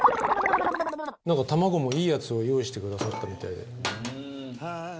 なんか卵もいいやつを用意してくださったみたいで。